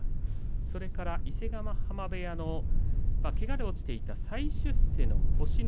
それから伊勢ヶ濱部屋のけがで落ちていた再出世の星ノ